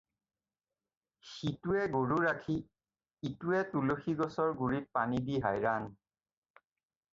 সিটোৱে গৰু ৰখি ইটোৱে তুলসীগছৰ গুৰিত পানী দি হাইৰাণ।